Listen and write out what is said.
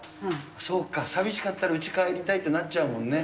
そうか、さみしかったらうち帰りたいってなっちゃうもんね。